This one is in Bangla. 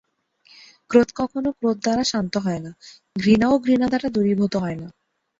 ক্রোধ কখনও ক্রোধ দ্বারা শান্ত হয় না, ঘৃণাও ঘৃণা দ্বারা দূরীভূত হয় না।